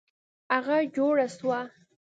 هغه جوړه سوه.